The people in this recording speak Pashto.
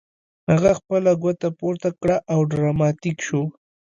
هغه خپله ګوته پورته کړه او ډراماتیک شو